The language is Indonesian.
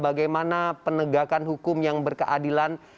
bagaimana penegakan hukum yang berkeadilan